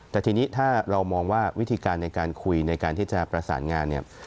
แต่ทีนี้ถ้าเรามองว่าวิธีการในการคุยในการที่จะประสานงานเนี่ย